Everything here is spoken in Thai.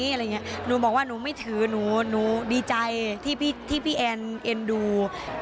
อะไรอย่างเงี้ยหนูบอกว่าหนูไม่ถือหนูหนูดีใจที่พี่ที่พี่แอนเอ็นดู